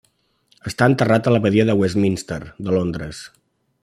Està enterrat a l'abadia de Westminster de Londres.